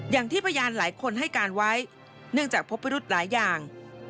อย่างที่พยานหลายคนให้การไว้เนื่องจากพบพิรุธหลายอย่าง